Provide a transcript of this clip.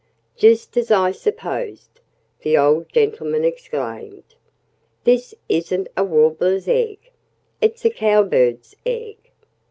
"Just as I supposed!" the old gentleman exclaimed. "This isn't a Warbler's egg. It's a Cowbird's egg.